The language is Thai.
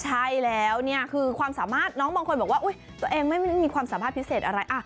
ใช่แล้วเนี่ยคือความสามารถน้องบางคนบอกว่าตัวเองไม่มีความสามารถพิเศษอะไร